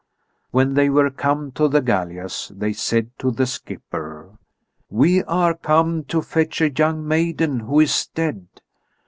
When they were come to the gallias, they said to the skipper: "We are come to fetch a young maiden who is dead.